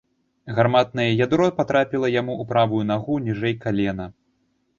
Гарматнае ядро патрапіла яму ў правую нагу ніжэй калена.